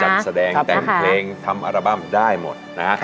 แสดงแต่งเพลงทำอัลบั้มได้หมดนะฮะ